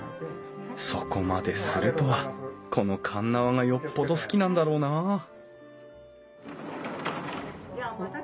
そこまでするとはこの鉄輪がよっぽど好きなんだろうなあ